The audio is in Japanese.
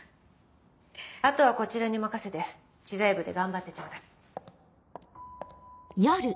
後はこちらに任せて知財部で頑張ってちょうだい。